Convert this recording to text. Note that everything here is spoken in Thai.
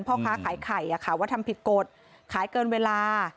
พ่อค้าขายไข่ว่าทำผิดกฎขายเกินเวลา